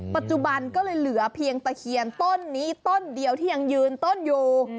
ปัจจุบันก็เลยเหลือเพียงตะเคียนต้นนี้ต้นเดียวที่ยังยืนต้นอยู่